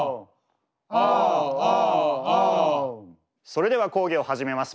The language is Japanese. それでは講義を始めます。